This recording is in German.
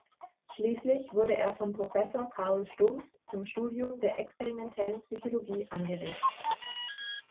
Schließlich wurde er von Professor Carl Stumpf zum Studium der experimentellen Psychologie angeregt.